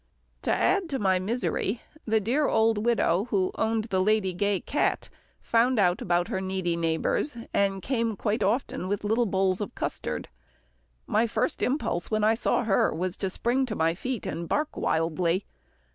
To add to my misery, the dear old widow who owned the Lady Gay cat found out about her needy neighbours, and came quite often with little bowls of custard. My first impulse when I saw her was to spring to my feet and bark wildly.